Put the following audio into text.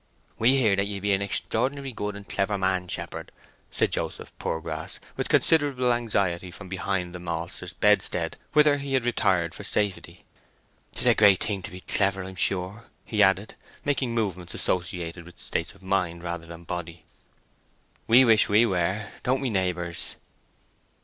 "We hear that ye be a extraordinary good and clever man, shepherd," said Joseph Poorgrass with considerable anxiety from behind the maltster's bedstead, whither he had retired for safety. "'Tis a great thing to be clever, I'm sure," he added, making movements associated with states of mind rather than body; "we wish we were, don't we, neighbours?"